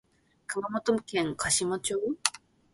熊本県嘉島町